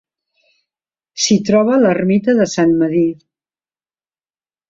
S'hi troba l'ermita de Sant Medir.